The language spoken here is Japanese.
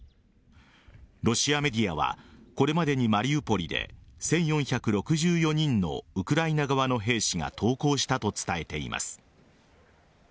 ロシアメディアはこれまでにマリウポリで１４６４人のウクライナ側の兵士が投降したと伝えています。